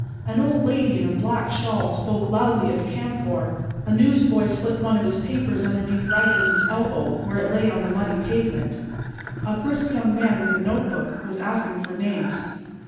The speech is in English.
An old lady in a black shawl spoke loudly of camphor; a newsboy slipped one of his papers beneath Raggles's elbow, where it lay on the muddy pavement. A brisk young man with a notebook was asking for names.